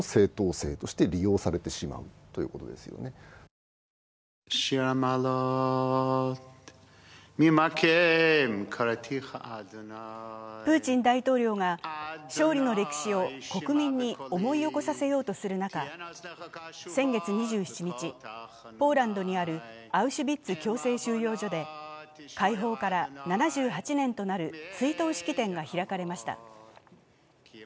小泉悠さんはプーチン大統領が、勝利の歴史を国民に思い起こさせようとする中、先月２７日、ポーランドにあるアウシュビッツ強制収容所で解放から７８年となる追悼式典が開かれました。